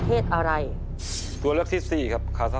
ตไม่เป็นว่าเป็น